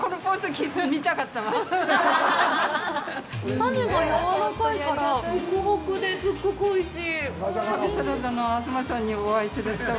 タネがやわらかいから、ホクホクで、すっごくおいしい！